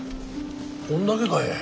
こんだけかえ。